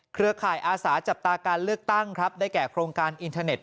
เครือข่ายอาสาจับตาการเลือกตั้งครับได้แก่โครงการอินเทอร์เน็ต